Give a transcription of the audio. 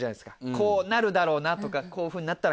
こうなるだろうなとかこういうふうになったら。